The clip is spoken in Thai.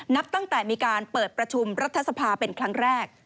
นับตั้งแต่มีการเปิดประชุมรัฐสภาเป็นครั้งแรก